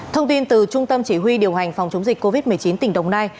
thông tin từ trung tâm chỉ huy điều hành phòng chống dịch covid một mươi chín tỉnh đồng nai